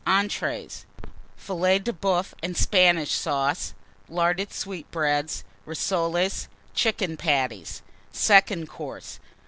ENTREES. Filet de Boeuf and Spanish Sauce. Larded Sweetbreads. Rissoles. Chicken Patties. SECOND COURSE.